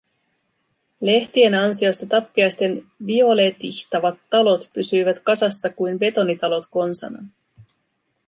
Lehtien ansiosta tappiaisten violetihtavat talot pysyivät kasassa kuin betonitalot konsanaan.